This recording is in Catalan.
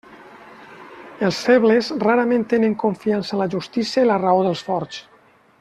Els febles rarament tenen confiança en la justícia i la raó dels forts.